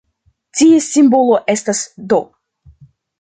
Ties simbolo estas "d".